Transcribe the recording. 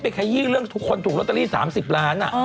ขยี้เรื่องทุกคนถูกลอตเตอรี่๓๐ล้าน